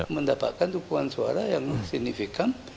karena itu adalah hal yang signifikan